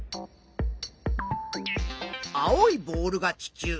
青いボールが地球。